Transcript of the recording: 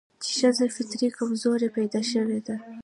چې ښځه فطري کمزورې پيدا شوې ده